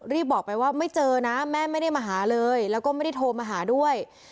รีบบอกไปว่าไม่เจอนะแม่ไม่ได้มาหาเลยแล้วก็ไม่ได้โทรมาหาด้วย